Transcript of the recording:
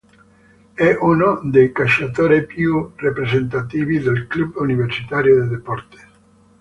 È uno dei calciatori più rappresentativi del club Universitario de Deportes.